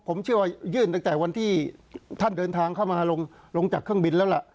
ผมเชื่อว่ายื่นตั้งแต่วันที่ท่านเดินทางเข้ามาลงจากเครื่องบินแล้วล่ะ